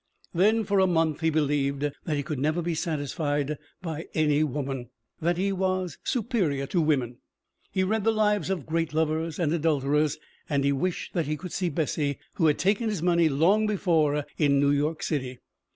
Then for a month he believed that he could never be satisfied by any woman, that he was superior to women. He read the lives of great lovers and adulterers and he wished that he could see Bessie, who had taken his money long before in New York City.